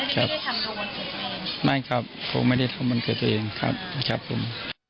ครับไม่ครับผมไม่ได้ทำวันเกิดตัวเองครับครับผม